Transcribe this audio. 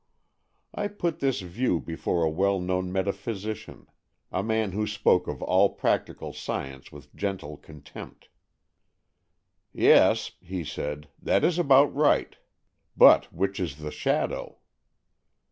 I put this view before a well known meta physician, a man who spoke of all practical science with' gentle contempt. "Yes,'' he said, " that is about right. But which is the shadow